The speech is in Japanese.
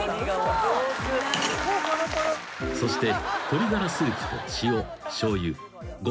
［そして］